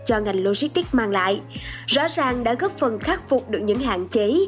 do ngành logistics mang lại rõ ràng đã góp phần khắc phục được những hạn chế